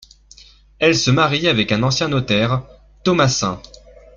Elle se marie avec un ancien notaire, Thomassin.